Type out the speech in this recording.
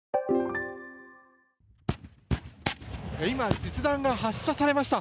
今、実弾が発射されました。